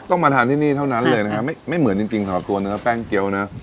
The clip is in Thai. มาทานที่นี่เท่านั้นเลยนะฮะไม่เหมือนจริงสำหรับตัวเนื้อแป้งเจี๊ยวนะ